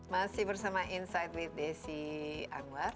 masih bersama insight with desi anwar